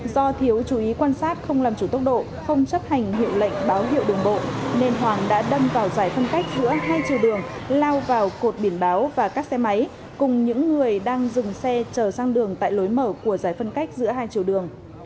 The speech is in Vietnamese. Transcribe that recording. do thiếu chú ý quan sát không làm chủ tốc độ không chấp hành hiệu lệnh báo hiệu đường bộ nên hoàng đã đâm vào giải phân cách giữa hai chiều đường lao vào cột biển báo và các xe máy cùng những người đang dừng xe chờ sang đường tại lối mở của giải phân cách giữa hai chiều đường